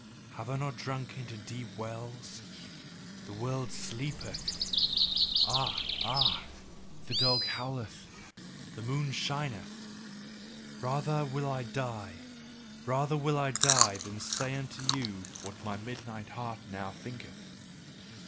Have I not sunk into deep wells? The world sleepeth Ah! Ah! The dog howleth, the moon shineth. Rather will I die, rather will I die, than say unto you what my midnight heart now thinketh.